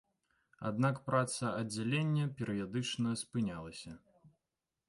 Аднак праца аддзялення перыядычна спынялася.